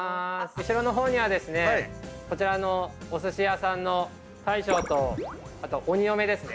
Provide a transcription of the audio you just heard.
後ろのほうにはですねこちらのおすし屋さんの大将とあと鬼嫁ですね。